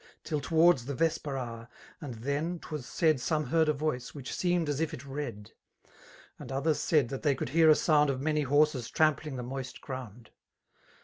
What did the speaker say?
Till towards the vesper hour; and then> 'twas saiii Some he^ a vcMce^ whidi seemed as if it read; And others said, that they could hear a sound Of many horses trampling the moist ground.